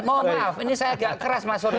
mohon maaf ini saya agak keras mas